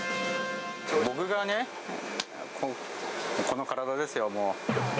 僕がね、この体ですよ、もう。